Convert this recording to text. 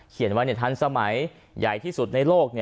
เขียนว่าทันสมัยใหญ่ที่สุดในโลก